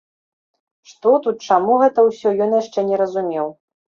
Што тут чаму гэта ўсё, ён яшчэ не разумеў.